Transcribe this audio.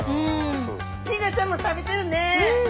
キィガーちゃんも食べてるねえ。